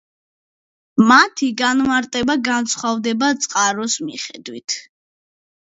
მათი განმარტება განსხვავდება წყაროს მიხედვით.